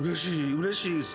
うれしいです。